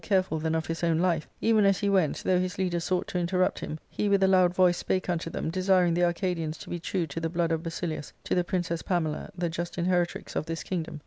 careful than of his own life, even as he went, though his leader sought to interrupt him, he with a loud voice spake unto them, desiring the Arcadians to be true to the blood of Basilius, to the Princess Pamela, the just inheritrix of this kingdom.